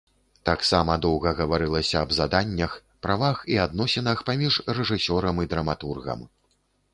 Таксама доўга гаварылася аб заданнях, правах і адносінах між рэжысёрам і драматургам.